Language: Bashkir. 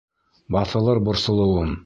Баҫылыр борсолоуым.